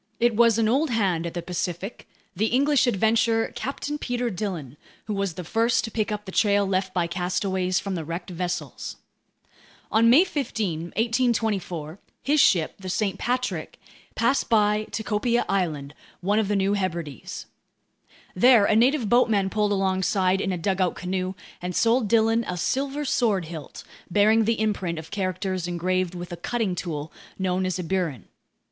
It was an old hand at the Pacific, the English adventurer Captain Peter Dillon, who was the first to pick up the trail left by castaways from the wrecked vessels. On May 15, 1824, his ship, the St. Patrick, passed by Tikopia Island, one of the New Hebrides. There a native boatman pulled alongside in a dugout canoe and sold Dillon a silver sword hilt bearing the imprint of characters engraved with a cutting tool known as a burin.